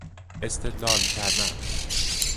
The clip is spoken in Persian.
استدلال کردن